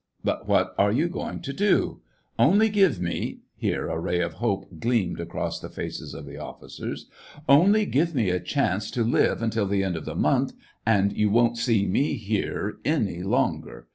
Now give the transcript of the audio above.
But what are you going to do } Only give me" — here a ray of hope gleamed across the faces of the officers —" only give me a chance to live until the end of the month, and you won't see me here any longer.